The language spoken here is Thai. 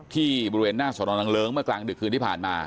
ที่บริเวณหน้าสอนอนังเลิ้งเมื่อกลางดึกคืนที่ผ่านมา